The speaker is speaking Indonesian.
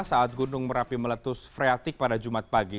saat gunung merapi meletus freatik pada jumat pagi